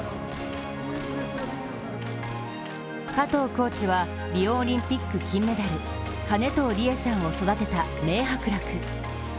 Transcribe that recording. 加藤コーチは、リオオリンピック金メダル金藤理絵さんを育てた名伯楽。